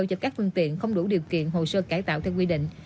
cho các phương tiện không đủ điều kiện hồ sơ cải tạo theo quy định